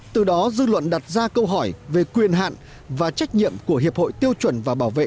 từ đó dư luận đặt ra câu hỏi về quyền hạn và trách nhiệm của hiệp hội tiêu chuẩn và bảo vệ